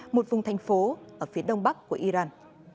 một vùng thành phố ở phía đông bắc của iran